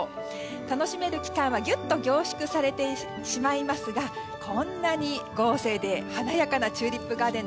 楽しめる期間はぎゅっと濃縮されてしまいますがこんなに豪勢で華やかなチューリップガーデン